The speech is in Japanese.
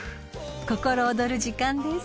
［心躍る時間です］